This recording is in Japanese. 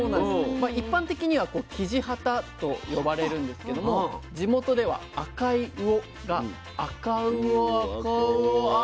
一般的にはきじはたと呼ばれるんですけども地元では赤い魚があかうおあ